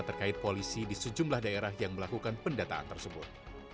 terkait polisi di sejumlah daerah yang melakukan pendataan tersebut